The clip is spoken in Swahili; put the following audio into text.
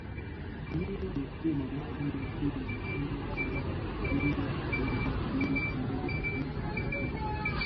kutumia mifumo ya aina hii mifumo kama nne moja mbili moja mbili au nne